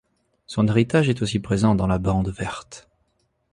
Son héritage est aussi présent dans la Bande verte.